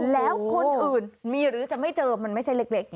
แล้วคนอื่นมีหรือจะไม่เจอมันไม่ใช่เล็ก